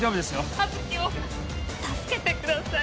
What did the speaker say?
葉月を助けてください